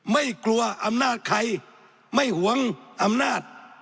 ไม่กลัวอำนาจใครไม่หวงอำนาจ